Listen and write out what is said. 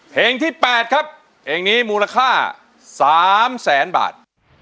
เพลงที่๘ครับเพลงนี้มูลค่า๓แสนบาท